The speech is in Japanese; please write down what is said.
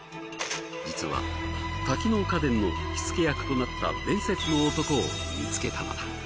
実は多機能家電の火付け役となった伝説の男を見つけたのだ。